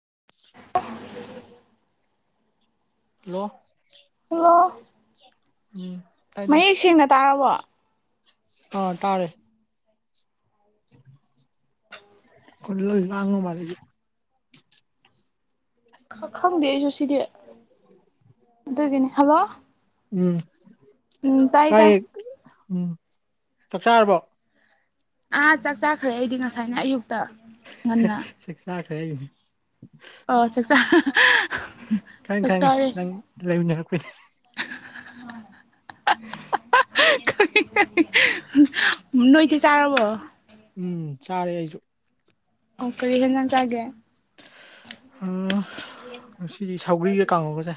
[inaudible] hello ꯄꯨꯑꯣ ꯎꯝ ꯃꯌꯦꯛ ꯁꯦꯡꯅ ꯇꯥꯔꯕꯣ ꯑ ꯇꯥꯔꯦ [inaudible] ꯀꯨꯜꯂꯏ ꯉꯥꯡ ꯃꯥꯂꯤꯗꯤ ꯈꯪꯈꯪꯗꯦ ꯑꯩꯖꯨ ꯁꯤꯗꯤ ꯑꯗꯨꯒꯤꯅꯤ ꯍꯜꯂꯣ ꯎꯝ ꯎꯝ ꯇꯥꯏ ꯇꯥꯏ ꯇꯥꯏꯌꯦ ꯎꯝ ꯆꯥꯛ ꯆꯥꯔꯕꯣ ꯑꯥ ꯆꯥꯛ ꯆꯥꯈ꯭ꯔꯦ ꯑꯩꯗꯤ ꯉꯁꯥꯏꯅ ꯑꯌꯨꯛ ꯁꯤꯛꯁꯥꯠ ꯑꯩ ꯑꯣ ꯑꯆꯥꯆꯥ ꯈꯪꯉꯦ ꯈꯪꯉꯤꯪꯉ ꯂꯩꯃꯤꯟꯅꯔꯛꯄ [inaudible] [inaudible] ꯅꯣꯏꯗꯤ ꯆꯥꯔꯔꯕꯣ ꯎꯝ ꯆꯥꯔꯦ ꯑꯩꯁꯨ ꯑꯣ ꯀꯔꯤ ꯍꯅ ꯇꯑꯦ ꯑ ꯁꯤꯗꯤ ꯁꯧꯒ꯭ꯔꯤꯒ ꯀꯥꯡꯉꯒꯁꯦ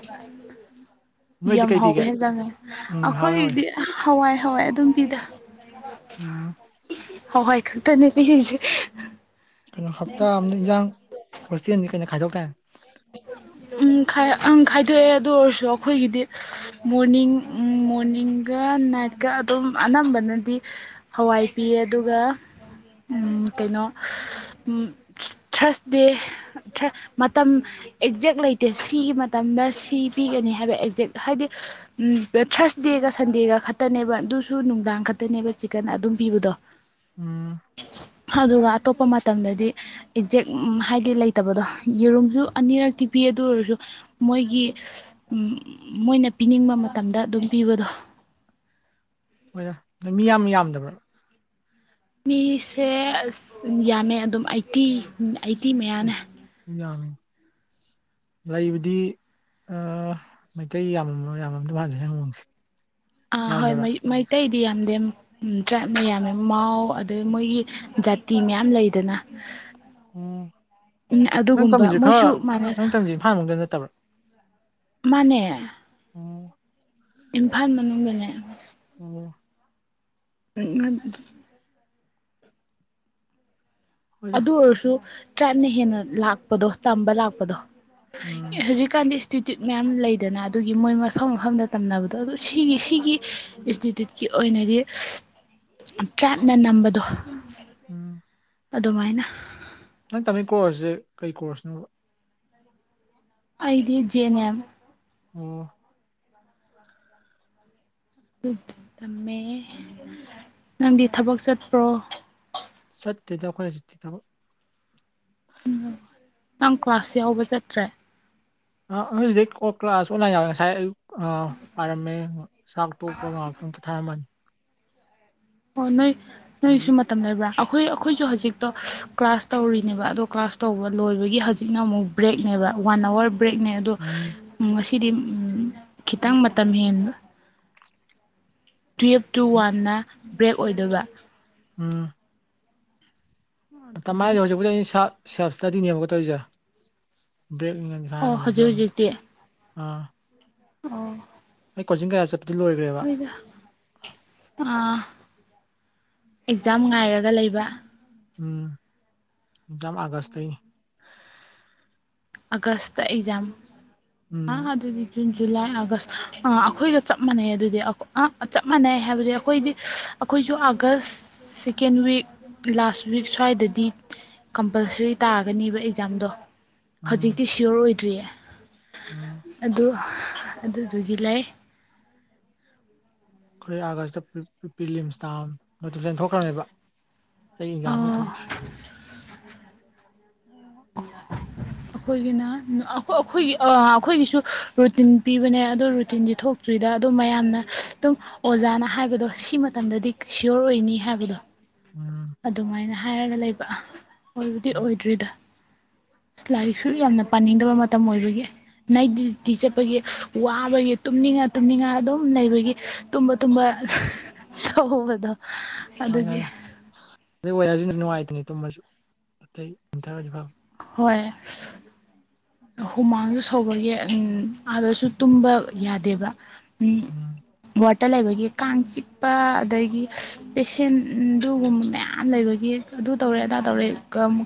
[inaudible] ꯌꯥꯝ ꯀꯩ ꯍꯥꯎꯋꯦ ꯄꯤꯒꯦ ꯍꯦꯖꯪꯉꯦ ꯎꯝ ꯍꯥꯎꯋꯦ ꯍꯥꯎꯋꯦ ꯑꯩꯈꯣꯏꯗꯤ ꯍꯋꯥꯏ ꯍꯋꯥꯏ ꯑꯗꯨꯝ ꯄꯤꯖ ꯎꯝ [inaudible] ꯍꯋꯥꯏ ꯈꯛꯇꯅꯦ ꯄꯤꯔꯤꯁꯦ ꯀꯩꯅꯣ ꯍꯞꯇꯥ ꯑꯅ ꯏꯟꯖꯥꯡ ꯍꯣꯁꯇꯦꯜꯅꯤ ꯀꯩꯅꯣ ꯈꯥꯏꯗꯣꯛ ꯀ ꯎ ꯈꯥꯏꯗꯣꯛꯑꯦ ꯑꯗꯨ ꯑꯣꯏꯔꯁꯨ ꯑꯩꯈꯣꯏꯒꯤꯗꯤ ꯃꯣꯔꯅꯤꯡ ꯃꯣꯔꯅꯤꯡꯒ ꯅꯥꯏꯠꯀ ꯑꯗꯨꯝ ꯑꯅꯝꯕꯅꯗꯤ ꯍꯋꯥꯏ ꯄꯤꯌꯦ ꯑꯗꯨꯒ ꯀꯩꯅꯣ ꯊꯔꯁ ꯗꯦ ꯃꯇꯝ ꯑꯦꯛꯖꯦꯛ ꯂꯩꯇꯦ ꯁꯤꯒꯤ ꯃꯇꯝꯗ ꯁꯤ ꯄꯤꯒꯅꯤ ꯍꯥꯏꯕ ꯑꯦꯛꯖꯦꯛ ꯍꯥꯏꯗꯤ ꯊꯥꯔꯁꯗꯦꯒ ꯁꯟꯗꯦꯒ ꯈꯛꯇꯅꯦꯕ ꯑꯗꯨꯁꯨ ꯅꯨꯡꯗꯥꯡ ꯈꯛꯇꯅꯦꯕ ꯆꯤꯛꯀꯟ ꯑꯗꯨꯝ ꯄꯤꯕꯗꯣ ꯎꯝ ꯑꯗꯨꯒ ꯑꯇꯣꯞꯄ ꯃꯇꯝꯗꯗꯤ ꯑꯦꯛꯖꯦꯛ ꯍꯥꯏꯗꯤ ꯂꯩꯇꯕꯗꯣ ꯌꯦꯔꯨꯝꯁꯨ ꯑꯅꯤꯔꯛꯇꯤ ꯄꯤ ꯑꯗꯨ ꯑꯣꯏꯔꯁꯨ ꯃꯣꯏꯒꯤ ꯃꯣꯏꯅ ꯄꯤꯅꯤꯡꯕ ꯃꯇꯝꯗ ꯑꯗꯨꯝ ꯄꯤꯕꯗꯣ ꯍꯣꯏ ꯃꯤ ꯌꯥꯝ ꯌꯥꯝꯗꯕ꯭ꯔꯥ ꯃꯤꯁꯦ ꯑꯁ ꯌꯥꯝꯃꯦ ꯑꯗꯨꯝ ꯑꯩꯠꯇꯤ ꯑꯩꯇꯤ ꯑꯦ ꯃꯌꯥꯅ ꯃꯤ ꯌꯥꯝꯃꯤ ꯂꯩꯕꯗꯤ ꯃꯩꯇꯩ ꯌꯥꯝꯃ ꯌꯥꯝꯃꯝꯗ ꯃꯖꯦ ꯍꯪꯣꯡꯁꯤ ꯑꯥ ꯍꯣꯏ ꯃꯩꯇꯩꯗꯤ ꯌꯥꯝꯗꯦꯝ ꯇ꯭ꯔꯥꯏꯕ ꯃꯌꯥꯝ ꯌꯥꯝ ꯃꯥꯎ ꯑꯗꯩ ꯃꯣꯏꯒꯤ ꯖꯥꯇꯤ ꯃꯌꯥꯝ ꯂꯩꯗꯅ ꯎꯝ ꯎ ꯅꯪ ꯑꯗꯨꯒꯨꯝꯕ ꯇꯝꯃꯤꯁꯦ ꯃꯣꯏꯁꯨ ꯈꯔ ꯃꯥꯅꯦ ꯅꯪ ꯇꯝꯃꯤꯁꯦ ꯏꯝꯐꯥꯜ ꯃꯅꯨꯡꯗ ꯅꯠꯇꯕ꯭ꯔꯥ ꯃꯥꯅꯦ ꯑꯣ ꯏꯝꯐꯥꯜ ꯃꯅꯨꯡꯗꯅꯦ ꯎꯝ ꯎꯝ ꯍꯣꯏꯗ ꯑꯗꯨ ꯑꯣꯏꯔꯁꯨ ꯇ꯭ꯔꯠꯅ ꯍꯦꯟꯅ ꯂꯥꯛꯄꯗꯣ ꯇꯝꯕ ꯂꯥꯛꯄꯗꯣ ꯎꯝ ꯍꯧꯖꯤꯛ ꯀꯥꯟꯗ ꯏꯟꯁꯇꯤꯇ꯭ꯌꯨꯠ ꯃꯌꯥꯝ ꯂꯩꯗꯅ ꯑꯗꯨꯒꯤ ꯃꯣꯏ ꯃꯐꯝ ꯃꯐꯝꯗ ꯇꯝꯅꯕꯗꯣ ꯑꯗꯨ ꯁꯤꯒꯤ ꯁꯤꯒꯤ ꯏꯟꯁꯇꯤꯇ꯭ꯌꯨꯠꯀꯤ ꯑꯣꯏꯅꯗꯤ ꯇ꯭ꯔꯥꯏꯞꯅ ꯅꯝꯕꯗꯣ ꯎꯝ ꯑꯗꯨꯃꯥꯏꯅ ꯅꯪ ꯇꯃꯤ ꯀꯣꯔꯁꯁꯦ ꯀꯩ ꯀꯣꯔꯁꯅꯣꯕ ꯑꯩꯗꯤꯖꯦ ꯅꯌꯥꯝ ꯑꯣ ꯑꯗꯨ ꯇꯝꯃꯦ ꯅꯪꯗꯤ ꯊꯕꯛ ꯆꯠꯄ꯭ꯔꯣ ꯁꯠꯇꯇꯗꯈ ꯆꯠꯇꯤ ꯇꯕ ꯅꯪ ꯀ꯭ꯂꯥꯁ ꯌꯥꯎꯕ ꯆꯠꯇ꯭ꯔꯦ ꯑ ꯑꯩ ꯀ ꯀ꯭ꯂꯥꯁ ꯑꯣꯅꯥꯕ ꯉꯁꯥꯏ ꯄꯥꯏꯔꯝꯃꯦ ꯆꯥꯛ ꯄꯣꯛꯄ ꯉꯥꯏꯍꯥꯛꯇꯪ ꯄꯣꯊꯥꯔꯝꯃꯅꯤ ꯑꯣ ꯅꯣꯏ ꯅꯣꯏꯁꯨ ꯑꯗꯒꯤ ꯃꯇꯝ ꯂꯩꯕ꯭ꯔꯥ ꯑꯩꯈꯣꯏ ꯑꯩꯈꯣꯏꯁꯨ ꯍꯧꯖꯤꯛꯇꯣ ꯀ꯭ꯂꯥꯁ ꯇꯧꯔꯤꯅꯦꯕ ꯑꯗꯣ ꯀ꯭ꯂꯥꯁ ꯇꯧꯕ ꯂꯣꯏꯕꯒꯤ ꯍꯧꯖꯤꯛꯅ ꯑꯃꯨꯛ ꯕ꯭ꯔꯦꯛꯅꯦꯕ ꯋꯥꯟ ꯑꯋꯥꯔ ꯕ꯭ꯔꯦꯛꯅꯦ ꯑꯗꯣ ꯎꯝ ꯉ ꯁꯤꯗꯤ ꯈꯤꯇꯪ ꯃꯇꯝ ꯍꯦꯟꯕ ꯇꯨꯋꯞ ꯇꯨ ꯋꯥꯟꯗ ꯕ꯭ꯔꯦꯛ ꯑꯣꯏꯗꯣꯏꯕ ꯎꯝ ꯑꯗꯨꯒꯤ ꯃꯥꯏꯁꯦ ꯍꯧꯖꯤꯛꯄ ꯑꯩ ꯏꯁꯥ ꯄꯁꯥ ꯄꯁꯥꯗꯤꯅꯤꯌꯝꯒ ꯇꯔꯤꯖꯥ ꯕꯦꯛ ꯈꯒ ꯑꯣ ꯍꯧꯖꯤꯛ ꯂꯧꯖ ꯑꯥ ꯎꯝ ꯈꯨꯣꯏꯤꯡꯌꯥꯁꯦ ꯍꯣꯏꯗ ꯑꯥ ꯑꯦꯛꯖꯥꯝ ꯉꯥꯏꯔꯒ ꯂꯩꯕ ꯎꯝ ꯌꯥꯝꯝ ꯑꯒꯁ ꯑꯒꯁꯇ ꯑꯦꯛꯖꯥꯝ ꯑ ꯎꯝ ꯍꯥꯏꯗꯗꯤ ꯆꯨꯟ ꯖꯨꯂꯥꯏ ꯑꯥꯒꯁ ꯑꯥ ꯑꯩꯈꯣꯏꯒ ꯆꯞ ꯃꯥꯟꯅꯩ ꯑꯗꯨꯗꯤ ꯑ ꯆꯞ ꯃꯥꯟꯅꯩ ꯍꯥꯏꯕꯗꯤ ꯑꯩꯈꯣꯏꯗꯤ ꯑꯩꯈꯣꯏꯁꯨ August second week last week ꯁ꯭ꯋꯥꯏꯗꯗꯤ ꯀꯝꯄꯜꯁꯔꯤ ꯇꯥꯒꯅꯦꯕ ꯑꯦꯛꯖꯥꯝꯗꯣ ꯎꯝ ꯍꯧꯖꯤꯛꯇꯤ ꯁꯤꯌꯣꯔ ꯑꯣꯏꯗꯦ ꯎꯝ ꯇꯦ ꯑꯗꯨ ꯑꯗꯨꯗꯨꯒꯤ ꯂꯩ ꯑꯩꯈꯣꯔ ꯑꯥꯒꯁꯇ ꯄꯤꯂꯤꯝꯁꯇꯥꯝ ꯅꯣꯇꯤꯐꯤꯀꯦꯁꯟ ꯊꯣꯛꯈ꯭ꯔꯕꯅꯦꯕ ꯆꯍꯤ ꯑꯦꯖꯥꯝꯅꯤ ꯊꯨꯡ ꯑꯩꯈꯣꯏꯒꯤꯅ ꯑꯩꯈꯣꯏꯒꯤ ꯑꯩꯈꯣꯏꯒꯤꯁꯨ ꯔꯨꯇꯤꯟ ꯄꯤꯕꯅꯦ ꯑꯗꯨ ꯔꯨꯇꯤꯟꯗꯤ ꯊꯣꯛꯇ꯭ꯔꯤꯗ ꯑꯗꯨꯝ ꯃꯌꯥꯝꯅ ꯑꯗꯨꯝ ꯑꯣꯖꯥꯅ ꯍꯥꯏꯕꯗꯣ ꯁꯤ ꯃꯇꯝꯗꯗꯤ ꯁꯤꯌꯣꯔ ꯑꯣꯏꯅꯤ ꯍꯥꯏꯕꯗꯣ ꯎꯝ ꯑꯗꯨꯃꯥꯏꯅ ꯍꯥꯏꯔꯒ ꯂꯩꯕ ꯑꯣꯏꯔꯗꯤ ꯎꯝ ꯑꯣꯏꯗ꯭ꯔꯤꯗ ꯂꯥꯏꯔꯤꯛꯁꯨ ꯌꯥꯝꯅ ꯄꯥꯅꯤꯡꯗꯕ ꯃꯇꯝ ꯑꯣꯏꯕꯒꯤ ꯅ ꯗ꯭ꯌꯇꯤ ꯆꯠꯄꯒꯤ ꯋꯥꯕꯒꯤ ꯇꯨꯝꯅꯤꯡꯉꯥ ꯇꯨꯝꯅꯤꯡꯉ ꯑꯗꯨꯝ ꯂꯩꯕꯒꯤ ꯇꯨꯝꯕ ꯇꯨꯝꯕ ꯇꯧꯍꯧꯕꯗꯣ [unintelligible] ꯑꯗꯨꯗ ꯑꯣꯏꯔꯁꯤꯅ ꯅꯨꯡꯉꯥꯏꯇꯅꯤ ꯇꯨꯝꯃꯁꯨ ꯑꯇꯩꯊꯔꯗꯤ ꯐꯕ ꯍꯣꯏ ꯍꯨꯃꯥꯡꯁꯨ ꯁꯧꯕꯒꯤ ꯎꯝ ꯑꯥꯗꯁꯨ ꯇꯨꯝꯕ ꯌꯥꯗꯦꯕ ꯎꯝ ꯇ ꯂꯩꯕꯒꯤ ꯀꯥꯡ ꯆꯤꯛꯄ ꯑꯗꯒꯤ ꯄꯦꯁꯦꯟ ꯑꯗꯨꯒꯒꯨꯝꯕ ꯃꯌꯥꯝ ꯂꯩꯕꯒꯤ ꯑꯗꯨ ꯇꯧꯔꯦ ꯑꯗꯥ ꯇꯧꯔꯦ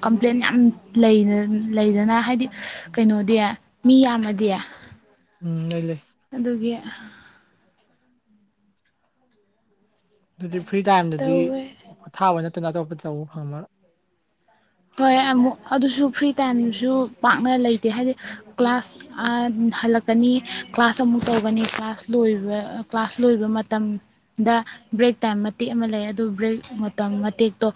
ꯀꯝꯄ꯭ꯂꯦꯟ ꯌꯥꯝ ꯂꯩꯗꯅ ꯍꯥꯏꯗꯤ ꯀꯩꯅꯣꯗꯤ ꯃꯤ ꯌꯥꯝꯃꯗꯤ ꯎꯝ ꯂꯩ ꯂꯩ ꯑ ꯑꯗꯨꯗꯤ ꯐ꯭ꯔꯤ ꯇꯥꯏꯝꯗꯗꯤ ꯇꯧꯋꯦ ꯄꯣꯊꯥꯕ ꯅꯠꯇ ꯅꯠꯇꯄꯠꯇꯎ ꯍ ꯍꯣꯏ ꯑꯃꯨꯛ ꯑꯗꯨꯁꯨ ꯐ꯭ꯔꯤ ꯇꯥꯏꯝꯁꯨ ꯄꯥꯛꯅ ꯂꯩꯇꯦ ꯍꯥꯏꯗꯤ ꯀ꯭ꯂꯥꯁ ꯍꯜꯂꯛꯀꯅꯤ ꯀ꯭ꯂꯥꯁ ꯑꯃꯨꯛ ꯇꯧꯒꯅꯤ ꯀ꯭ꯂꯥꯁ ꯂꯣꯏꯕ ꯀ꯭ꯂꯥꯁ ꯂꯣꯏꯕ ꯃꯇꯝꯗ ꯕ꯭ꯔꯦꯛ ꯇꯥꯏꯝ ꯃꯇꯦꯛ ꯑꯃ ꯂꯩ ꯑꯗꯨ ꯕ꯭ꯔꯦꯛ ꯃꯇꯝ ꯃꯇꯦꯛꯇꯣ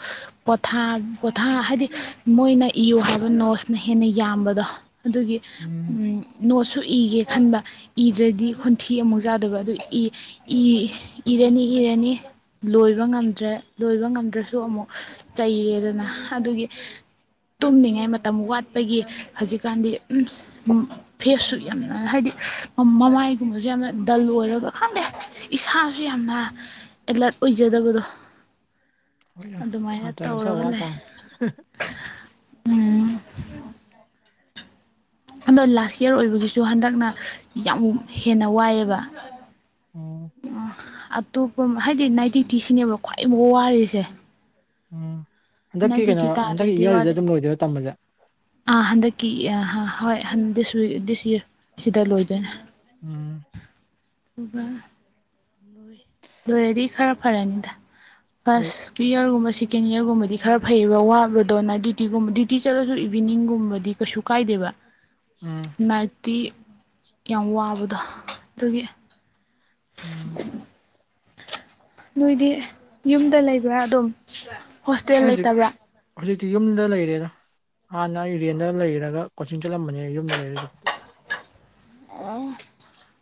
ꯄꯣꯊꯥ ꯄꯣꯊꯥ ꯍꯥꯏꯗꯤ ꯃꯣꯏꯅ ꯏꯌꯨ ꯍꯥꯏꯕ ꯅꯣꯁꯅ ꯍꯦꯟꯅ ꯌꯥꯝꯕꯗꯣ ꯑꯗꯨꯒꯤ ꯎꯝ ꯅꯣꯠꯁꯨ ꯏꯒꯦ ꯈꯟꯕ ꯏꯗ꯭ꯔꯗꯤ ꯈꯨꯟꯊꯤ ꯑꯃꯨꯛ ꯆꯥꯗꯕ ꯑꯗꯨ ꯏ ꯏꯔꯅꯤ ꯏꯔꯅꯤ ꯂꯣꯏꯕ ꯉꯝꯗ꯭ꯔꯦ ꯂꯣꯏꯕ ꯉꯝꯗ꯭ꯔꯁꯨ ꯑꯃꯨꯛ ꯆꯩꯔꯦꯗꯅ ꯑꯗꯨꯒꯤ ꯇꯨꯝꯅꯤꯡꯉꯥꯏ ꯃꯇꯝ ꯋꯥꯠꯄꯒꯤ ꯍꯧꯖꯤꯛꯀꯥꯟꯗꯤ ꯐꯦꯁꯁꯨ ꯌꯥꯝꯅ ꯍꯥꯏꯗꯤ ꯃꯃꯥꯏꯒꯨꯝꯕꯁꯨ ꯌꯥꯝꯅ ꯗꯜ ꯑꯣꯏꯔꯒ ꯈꯪꯗꯦ ꯏꯁꯥꯁꯨ ꯌꯥꯝꯅ ꯑꯦꯂꯔꯠ ꯑꯣꯏꯖꯗꯕꯗꯣ ꯑꯗꯨꯃꯥꯏꯅ ꯁꯥꯇ ꯀ ꯇꯧꯔꯒ ꯋꯥ ꯂꯩ ꯇ [inaudible] ꯑꯗꯣ ꯂꯥꯁ ꯏꯌꯥꯔ ꯑꯣꯏꯕꯒꯤꯁꯨ ꯍꯟꯗꯛꯅ ꯌꯥꯝ ꯍꯦꯟꯅ ꯋꯥꯏꯑꯦꯕ ꯑ ꯎꯝ ꯑꯇꯣꯞꯄ ꯍꯥꯏꯗꯤ ꯅꯥꯏꯇꯛꯇꯤ ꯁꯤꯅꯦꯕ ꯈ꯭ꯋꯥꯏ ꯑꯃꯨꯛ ꯋꯥꯔꯤꯁꯦ ꯎꯝ ꯅꯥꯏꯠ ꯍꯟꯗꯛꯀꯤ ꯀꯩꯅꯣ ꯗ꯭ꯌꯨꯇꯤ ꯍꯟꯗꯛꯀꯤ ꯇꯥꯗ꯭ꯔꯗꯤ ꯋꯥꯗꯦ ꯏꯌꯥꯔꯔꯤꯁꯗ ꯑꯗꯨꯝ ꯂꯣꯏꯗꯣꯏꯔ ꯇꯝꯕꯁꯦ ꯍꯣꯏꯗꯤꯁꯛ ꯗꯤꯁ ꯁꯤꯗ ꯂꯣꯏꯗꯣꯏꯅꯦ ꯎꯝ ꯑꯗꯨꯒ ꯂꯣꯏꯔꯗꯤ ꯈꯔ ꯐꯔꯅꯤꯗ ꯍꯣꯏ ꯐꯁ ꯄ ꯌꯥꯔꯒꯨꯝꯃꯁꯤ ꯁꯦꯀꯦꯟ ꯏꯌꯥꯔꯒꯨꯝꯕꯗꯤ ꯈꯔ ꯐꯩꯑꯕ ꯋꯥꯕꯗꯣꯅ ꯗ꯭ꯌꯨꯇꯤꯒꯨꯝꯕ ꯗ꯭ꯌꯨꯇꯤ ꯆꯠꯂꯁꯨ ꯏꯚꯤꯅꯤꯡꯒꯨꯝꯕꯗꯤ ꯀꯩꯁꯨ ꯀꯥꯏꯗꯦꯕ ꯎꯝ ꯉꯗꯤ ꯌꯥꯝ ꯋꯥꯕꯗꯣ ꯑꯗꯨꯒꯤ [inaudible] ꯎꯝ ꯅꯣꯏꯗꯤ ꯌꯨꯝꯗ ꯂꯩꯕ꯭ꯔꯥ ꯑꯗꯨꯝ ꯍꯣꯁꯇꯦꯜ ꯑꯩ ꯍꯧꯖꯤꯛ ꯂꯩꯇꯕ꯭ꯔꯥ ꯍꯧꯖꯤꯛꯇꯤ ꯌꯨꯝꯗ ꯂꯩꯔꯦꯗ ꯍꯥꯟꯅ ꯑꯦꯔꯤꯌꯥꯦꯟꯗ ꯂꯩꯔꯒ ꯀꯣꯆꯤꯡ ꯆꯠꯂꯝꯕꯅꯦ ꯌꯨꯝꯗ ꯂꯩꯔꯦꯁꯨꯛꯄꯤ ꯑ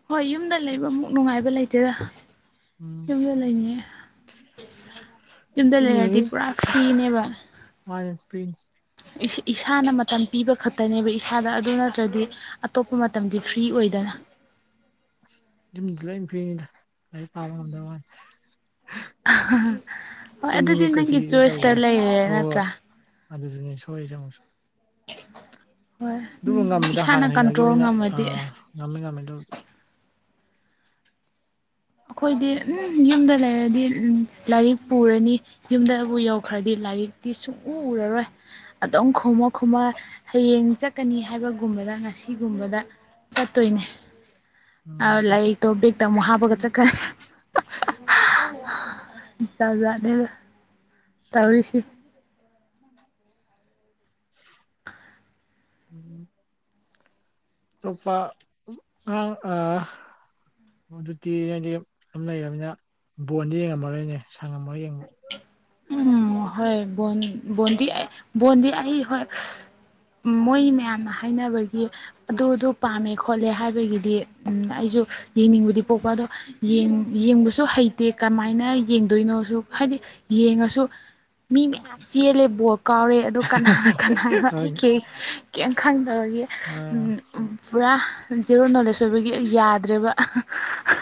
ꯍꯣꯏ ꯌꯨꯝꯗ ꯂꯩꯕ ꯑꯃꯨꯛ ꯅꯨꯡꯉꯥꯏꯕ ꯂꯩꯇꯦ ꯎꯝ ꯑꯗꯨꯒ ꯏꯃ ꯂꯩꯅꯤꯦ ꯌꯨꯝꯗ ꯂꯩꯔꯗꯤ ꯄꯨꯔꯥ ꯐ꯭ꯔꯤꯅꯦꯕ ꯄꯔꯤꯤꯟꯁ ꯏꯁꯥꯅ ꯃꯇꯝ ꯄꯤꯕ ꯈꯛꯇꯅꯦꯕ ꯏꯁꯥꯗ ꯑꯗꯨ ꯅꯠꯇ꯭ꯔꯗꯤ ꯑꯇꯣꯞꯄ ꯃꯇꯝꯗꯤ ꯐ꯭ꯔꯤ ꯑꯣꯏꯗꯅ ꯌꯨꯝꯗꯨ ꯂꯥꯏ ꯐꯤꯔꯤꯅꯤꯗ ꯂꯥꯏꯔꯤꯛ ꯄꯥꯕ ꯉꯝꯗꯕꯅꯤ ꯍꯣꯏ ꯑꯗꯨꯗꯤ ꯇꯨꯝꯅꯤꯡꯉꯦ ꯀꯨꯁꯤ ꯅꯪꯒꯤ ꯑꯗꯨꯝ ꯆꯣꯏꯁꯇ ꯇꯧꯕꯗꯣ ꯂꯩꯔꯦ ꯍꯣꯏ ꯅꯠꯇ꯭ꯔꯥ ꯍꯣꯏ ꯑꯗꯨꯗꯨꯅꯦ ꯁꯣꯏꯔꯤꯁꯦ ꯑꯃꯨꯛꯁꯨ ꯍꯣꯏ ꯑꯗꯨꯕꯨ ꯎꯝ ꯉꯝꯃꯤꯗ ꯏꯁꯥꯅ ꯍꯥꯟꯅ ꯀꯟꯇ꯭ꯔꯣꯜ ꯍꯩꯅꯈꯤꯕꯅꯤꯅ ꯉꯝꯃꯗꯤ ꯉꯝꯃꯦ ꯉꯝꯃꯦ ꯇꯧꯕꯗꯤ ꯑꯩꯈꯣꯏꯗꯤ ꯌꯨꯝꯗ ꯂꯩꯔꯗꯤ ꯂꯥꯏꯔꯤꯛ ꯄꯨꯔꯅꯤ ꯌꯨꯝꯗꯕꯨ ꯌꯧꯈ꯭ꯔꯗꯤ ꯂꯥꯏꯔꯤꯛꯇꯤ ꯁꯨꯡꯎ ꯎꯔꯔꯣꯏ ꯑꯗꯨꯝ ꯈꯣꯡꯃ ꯈꯣꯃ ꯍꯌꯦꯡ ꯆꯠꯀꯅꯤ ꯍꯥꯏꯕꯒꯨꯝꯕꯗ ꯉꯁꯤꯒꯨꯝꯕꯗ ꯆꯠꯇꯣꯏꯅꯤ ꯎꯝ ꯑꯂ ꯑꯩ ꯇꯣ ꯃꯣꯥꯕꯒꯠ ꯆ ꯀ ꯏ ꯆꯖꯗꯦ ꯇꯧꯔꯤꯁꯤ ꯎꯝ ꯑꯇꯣꯞꯄ ꯑꯉꯥꯡ ꯇꯤ ꯍꯥꯏꯗꯤ ꯑꯗꯨ ꯂꯩꯅꯤꯅ ꯕꯣꯟꯗꯤ ꯌꯦꯡꯉꯝꯃꯔꯣꯏꯅꯦ ꯁꯪꯉꯝꯃꯒ ꯌꯦꯡꯕ ꯎꯝ ꯍꯣꯏ ꯕꯣꯟ ꯗꯤ ꯕꯣꯟꯗꯤ ꯑꯩ ꯍꯣꯏ ꯃꯣꯏ ꯃꯌꯥꯝꯅ ꯍꯥꯏꯅꯕꯒꯤ ꯑꯗꯨꯗꯣ ꯄꯥꯝꯃꯦ ꯈꯣꯠꯂꯦ ꯍꯥꯏꯕꯒꯤꯗꯤ ꯎ ꯑꯩꯁꯨ ꯌꯦꯡꯅꯤꯡꯕꯗꯤ ꯄꯣꯛꯄ ꯑꯗꯣ ꯌꯦꯡꯕꯁꯨ ꯍꯩꯇꯦ ꯀꯃꯥꯏꯅ ꯌꯦꯡꯗꯣꯏꯅꯣꯁꯨ ꯍꯥꯏꯗꯤ ꯌꯦꯡꯉꯁꯨ ꯃꯤ ꯃꯌꯥꯝ ꯆꯦꯜꯂꯦ ꯕꯣꯜ ꯀꯥꯎꯔꯦ ꯑꯗꯣ ꯀꯅꯥꯅ ꯀꯅꯥꯅ ꯑꯩ ꯀ ꯀꯔꯤꯝ ꯈꯪꯗꯕꯒꯤ ꯑꯥ ꯄꯨꯔꯥ ꯖꯦꯔꯣ ꯅꯣꯂꯦꯖ ꯑꯣꯏꯕꯒꯤ ꯌꯥꯗ꯭ꯔꯦꯕ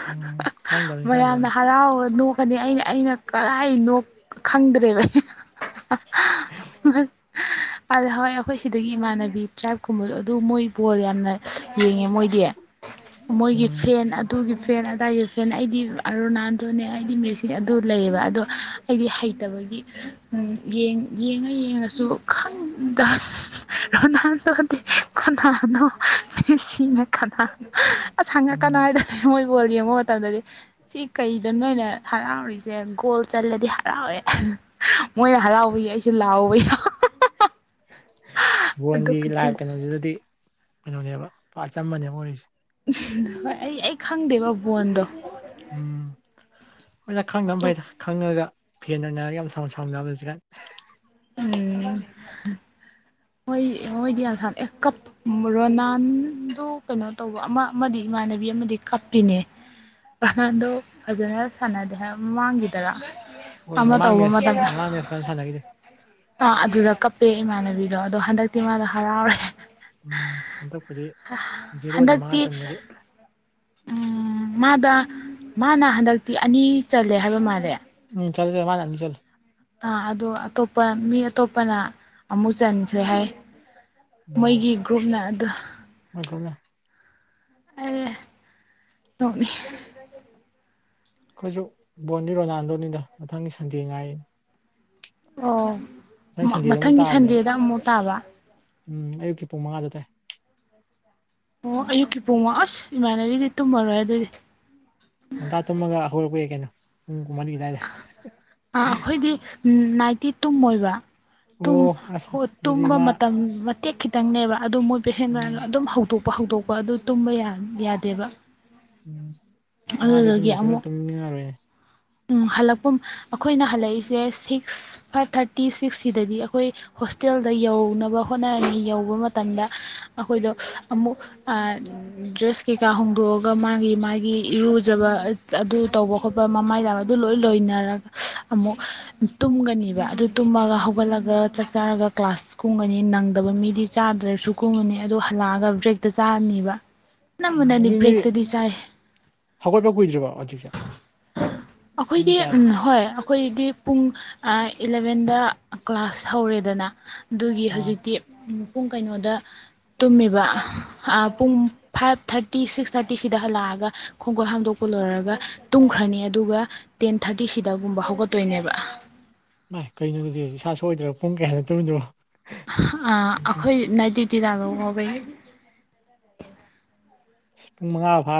ꯎꯝ ꯈꯪꯗꯕꯅꯤ ꯃꯌꯥꯝꯅ ꯈꯪꯗꯕꯅꯤ ꯍꯔꯥꯎꯕ ꯅꯣꯛ ꯑꯩꯅ ꯑꯩꯅ ꯀꯗꯥꯥꯏ ꯂꯣꯛ ꯈꯪꯗ꯭ꯔꯦꯕ ꯑꯜ ꯍꯋꯥꯏ ꯑꯩꯈꯣꯏ ꯁꯤꯗꯒꯤ ꯏꯃꯥꯟꯅꯕꯤ ꯇ꯭ꯔꯥꯏꯞꯀꯨꯝꯕꯗꯣ ꯑꯗꯨ ꯃꯣꯏ ꯕꯣꯜ ꯌꯥꯝꯅ ꯌꯦꯡꯉꯦ ꯃꯣꯏꯗꯤ ꯃꯣꯏꯒꯤ ꯎꯝ ꯐꯦꯟ ꯑꯗꯨꯒꯤ ꯐꯦꯟ ꯑꯗꯨꯗꯥꯏꯒꯤ ꯐꯦꯟ ꯑꯩꯗꯤ ꯔꯣꯅꯥꯜꯗꯣꯅꯦ ꯑꯩꯗꯤ ꯃꯦꯁꯤ ꯑꯗꯨ ꯂꯩꯌꯦꯕ ꯑꯗꯣ ꯑꯩꯗꯤ ꯍꯩꯇꯕꯒꯤ ꯌꯦꯡ ꯌꯦꯡꯉ ꯌꯦꯡꯉꯁꯨ ꯈꯗ ꯔꯣꯅꯣꯗꯤ ꯀꯅꯥꯅꯣꯁꯤꯅ ꯑꯁ ꯍꯪꯉꯛꯀꯅꯥ ꯎꯝ ꯍꯥꯏꯔꯗꯅꯦ ꯃꯣꯏ ꯐꯨꯠꯕꯣꯜ ꯌꯦꯡꯕ ꯃꯇꯝꯗꯗꯤ ꯁꯤ ꯀꯩꯗ ꯅꯣꯏꯅ ꯍꯔꯥꯎꯔꯤꯁꯦ ꯒꯣꯜ ꯆꯜꯂꯗꯤ ꯇꯦ ꯃꯣꯏꯅ ꯍꯔꯥꯎꯕ ꯌꯥꯏ ꯑꯩꯁꯨ ꯂꯥꯎꯕ ꯑꯗꯨ ꯍꯣꯟꯒꯤ ꯂ ꯈꯛꯇꯅꯤ ꯀꯩꯅꯣꯁꯤꯗꯗꯤ ꯀꯩꯅꯣꯅꯦꯕ ꯄꯄꯥ ꯆꯝꯝꯕꯅꯦꯕ ꯋꯥꯔꯤꯔꯤꯁꯦ ꯍꯣꯏ ꯑꯩ ꯑꯩ ꯈꯪꯗꯦꯕ ꯕꯣꯟꯗꯣ ꯎꯝ ꯑꯩꯈꯣꯏꯅ ꯈꯪꯗꯅ ꯑꯇꯣꯞ ꯐꯩꯗ ꯈꯪꯉꯒ ꯐꯤ ꯌꯥꯝ ꯁ ꯁꯕꯖꯤꯒ ꯎꯝ ꯃꯣꯏ ꯃꯣꯏꯗꯤ ꯑꯁꯥꯝ ꯑꯦ ꯔꯣꯅꯥꯟꯗꯨ ꯀꯩꯅꯣ ꯇꯧꯕ ꯑꯃ ꯑꯃꯗꯤ ꯏꯃꯥꯟꯅꯕꯤ ꯑꯃꯗꯤ ꯀꯞꯄꯤꯅꯦ ꯔꯣꯅꯥꯟꯗꯣ ꯐꯖꯅ ꯁꯥꯟꯅꯗꯦ ꯍꯥꯏ ꯃꯃꯥꯡꯈꯤꯗꯔ ꯍꯣꯏ ꯃꯃꯥꯡ ꯃꯦꯠꯆ ꯃꯃꯥꯡ ꯃꯦꯠꯆ ꯀꯅ ꯁꯥꯟꯅꯈꯤꯗꯦ ꯑꯥ ꯑꯗꯨꯗ ꯀꯞꯄꯦ ꯏꯃꯥꯟꯅꯕꯤꯗꯣ ꯑꯗꯣ ꯍꯟꯗꯛꯇꯤ ꯃꯥꯅ ꯍꯔꯥꯎꯔꯦ ꯎꯝ ꯍꯟꯗꯛꯄꯗꯤ ꯖꯤꯔꯣꯗ ꯍꯟꯗꯛꯇꯤ ꯃꯉꯥ ꯆꯟꯕꯒꯤ ꯎꯝ ꯃꯥꯗ ꯃꯥꯅ ꯍꯟꯗꯛꯇꯤ ꯑꯅꯤ ꯆꯜꯂꯦ ꯍꯥꯏꯕ ꯃꯥꯜꯂꯦ ꯎꯝ ꯆꯠ ꯆꯦ ꯃꯥꯅꯅꯤ ꯆꯂ ꯑꯥ ꯑꯗꯨ ꯑꯇꯣꯞꯄ ꯃꯤ ꯑꯇꯣꯞꯄꯅ ꯑꯃꯨꯛ ꯆꯟꯈ꯭ꯔꯦ ꯍꯥꯏ ꯃꯣꯏꯒꯤ ꯒ꯭ꯔꯨꯞꯅ ꯑꯗꯨ ꯅꯒꯅ ꯑꯗ ꯊꯣꯉ ꯑꯩꯈꯣꯏꯁꯨ ꯕꯣꯟꯗꯤ ꯔꯣꯅꯥꯜꯗꯣꯅꯤꯗ ꯃꯊꯪꯒꯤ ꯁꯟꯗꯤ ꯉꯥꯏꯔꯤꯅꯤ ꯑꯣ ꯁꯟꯗꯦꯗ ꯑꯃꯨꯛ ꯃꯊꯪꯒꯤ ꯇꯥꯕꯅꯦꯕ ꯁꯟꯗꯦꯗ ꯑꯃꯨꯛ ꯇꯥꯕ ꯎꯝ ꯑꯌꯨꯛꯀꯤ ꯄꯨꯡ ꯃꯉꯥꯗ ꯇꯥꯏ ꯑꯣ ꯑꯌꯨꯛꯀꯤ ꯄꯨꯡꯉ ꯑꯁ ꯏꯃꯥꯟꯅꯕꯤꯗꯤ ꯇꯨꯝꯃꯔꯣꯏ ꯑꯗꯨꯏꯗꯤ ꯑꯗ ꯇꯨꯝꯃꯒ ꯍꯔꯛꯄ ꯌꯥ ꯀꯩꯅꯣ ꯎꯝ ꯃꯅꯤꯒꯤꯗꯗ ꯅꯥꯏꯟꯇꯤ ꯇꯨꯝ ꯃ ꯑꯣꯏꯕ ꯑꯣ ꯑꯁ ꯑꯗꯨꯗꯤ ꯃꯥ ꯇ ꯃ ꯇꯦꯛ ꯈꯤꯇꯪꯅꯦꯕ ꯑꯗꯨ ꯃꯣꯏ ꯄꯦꯁꯦꯟ ꯎꯝ ꯃꯌꯥꯝꯅ ꯑꯗꯨꯝ ꯍꯧꯗꯣꯛ ꯍꯧꯗꯣꯛꯄ ꯑꯗꯨ ꯇꯨꯝꯕ ꯌꯥꯗꯦꯕ ꯎꯝ ꯃꯥꯗꯤꯦꯇ ꯑꯗꯨꯗꯨꯒꯤ ꯑꯃꯨꯛ ꯅꯠꯇ ꯅꯉꯔꯣ ꯍꯜꯂꯛꯄ ꯑꯩꯈꯣꯏꯅ ꯍꯜꯂꯛꯏꯁꯦ ꯁꯤꯛꯁ ꯐꯥꯏꯚ ꯊꯥꯔꯇꯤ ꯁꯤꯛꯁ ꯁꯤꯗꯗꯤ ꯑꯩꯈꯣꯏ ꯍꯣꯁꯇꯦꯜꯗ ꯌꯧꯅꯕ ꯍꯣꯠꯅꯔꯉ ꯌꯧꯕ ꯃꯇꯝꯗ ꯑꯩꯈꯣꯏꯗꯣ ꯑꯃꯨꯛ ꯗ꯭ꯔꯦꯁ ꯀꯩꯀꯥ ꯍꯣꯡꯗꯣꯛꯑꯒ ꯃꯥꯒꯤ ꯃꯥꯒꯤ ꯏꯔꯨꯖꯕ ꯑꯗꯨ ꯇꯧꯕ ꯈꯣꯠꯄ ꯃꯃꯥꯏꯗ ꯑꯗꯨ ꯂꯣꯏ ꯂꯣꯏꯅꯔꯒ ꯑꯃꯨꯛ ꯇꯨꯝꯒꯅꯦꯕ ꯑꯗꯨ ꯇꯨꯝꯃꯒ ꯍꯧꯒꯠꯂꯒ ꯆꯥꯛ ꯆꯥꯔꯒ ꯀ꯭ꯂꯥꯁ ꯀꯨꯝꯒꯅꯤ ꯅꯪꯗꯕ ꯃꯤꯗꯤ ꯆꯥꯗ꯭ꯔꯁꯨ ꯀꯨꯝꯉꯅꯤ ꯑꯗꯨ ꯍꯜꯂꯛꯑꯒ ꯕ꯭ꯔꯦꯛꯇ ꯆꯥꯔꯅꯤꯕ ꯎꯝ ꯑꯅꯝꯕꯅꯗꯤ ꯍꯒꯣꯏ ꯕ꯭ꯔꯦꯛꯇꯗꯤ ꯆꯥꯏ ꯄ ꯀꯗ꯭ꯔꯔꯤꯕ ꯑꯖꯤꯁ ꯑꯩꯈꯣꯏꯒꯤ ꯍꯣꯏ ꯑꯩꯈꯣꯏꯗꯤ ꯄꯨꯡ ꯏꯂꯚꯦꯟꯗ ꯀ꯭ꯂꯥꯁ ꯍꯧꯔꯦꯗꯅ ꯑꯗꯨꯒꯤ ꯑꯥ ꯍꯧꯖꯤꯛꯇꯤ ꯄꯨꯡ ꯀꯩꯅꯣꯗ ꯇꯨꯝꯃꯦꯕ ꯄꯨꯡ ꯐꯥꯏꯚ ꯊꯥꯔꯇꯤ ꯁꯤꯛꯁ ꯊꯥꯔꯇꯤꯁꯤꯗ ꯂꯥꯛꯑꯒ ꯈꯣꯡꯒꯨꯜ ꯍꯥꯝꯗꯣꯛꯄ ꯂꯣꯏꯔꯒ ꯇꯨꯝꯈ꯭ꯔꯅꯤ ꯑꯗꯨꯒ ꯇꯦꯟ ꯊꯥꯔꯇꯤꯁꯤꯗꯒꯨꯝꯕ ꯍꯧꯒꯠꯇꯣꯏꯅꯦꯕ ꯥꯏ ꯀꯩꯅꯣꯗꯗꯤ ꯏꯁꯥ ꯁꯣꯏꯏꯗ꯭ꯔꯕ ꯄꯨꯡ ꯀꯌꯥ ꯅꯠꯇꯣꯏꯃꯤꯅꯣ ꯑ ꯑꯩꯈꯣꯏ ꯅꯥꯏꯠ ꯗ꯭ꯌꯨꯇꯤ ꯂꯥꯛꯔꯎ ꯍꯒꯩ ꯁꯇꯨꯡ ꯃꯉꯥꯚꯥ